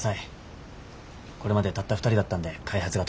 これまでたった２人だったんで開発が滞ってました。